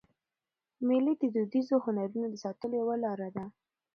مېلې د دودیزو هنرونو د ساتلو یوه لاره ده.